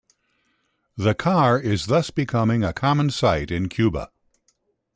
The car is thus becoming a common sight in Cuba.